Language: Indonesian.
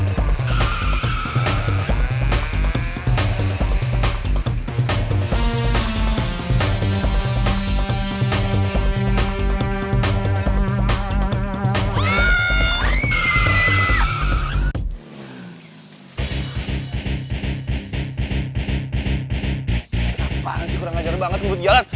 kenapaan sih kurang ajar banget menurut jalan